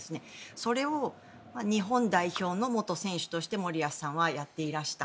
それを日本代表の元選手として森保さんはやっていらっしゃった。